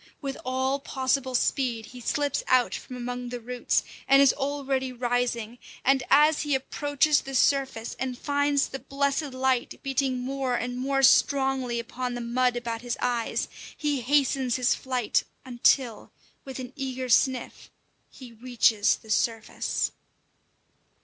With all possible speed he slips out from among the roots, and is already rising; and as he approaches the surface and finds the blessed light beating more and more strongly upon the mud about his eyes, he hastens his flight, until, with an eager sniff, he reaches the surface.